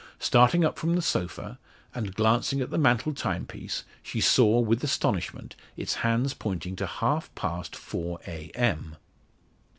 Starting up from the sofa, and glancing at the mantel timepiece, she saw, with astonishment, its hands pointing to half past 4 a.m!